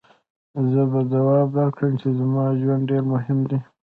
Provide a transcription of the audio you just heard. زه به ځواب درکړم چې زما ژوند ډېر مهم دی.